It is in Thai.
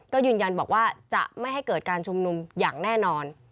ก็ยืนยันบอกว่าจะไม่ให้เกิดการชุมนุมอย่างแน่นอน